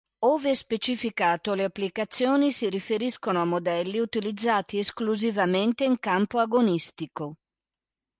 Ove specificato, le applicazioni si riferiscono a modelli utilizzati esclusivamente in campo agonistico.